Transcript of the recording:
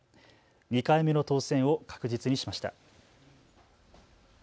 ２回目の当選を確実にしました。